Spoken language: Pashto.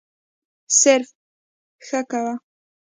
صرف «ښه» کوه.